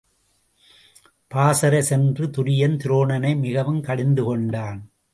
பாசறை சென்று துரியன் துரோணனை மிகவுப் கடிந்துகொண்டான்.